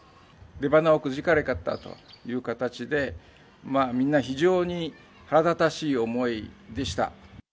出ばなをくじかれたという形で、みんな、非常に腹立たしい思いでした。